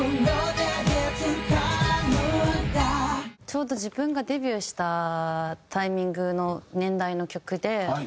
ちょうど自分がデビューしたタイミングの年代の曲で。